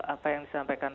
apa yang disampaikan